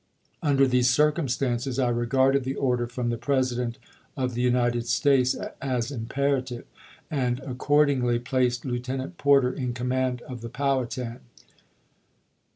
Under these circumstances I regarded the order from the President of the United States as imperative, and accord ingly placed Lieutenant Porter in command of the Potv Tiatan.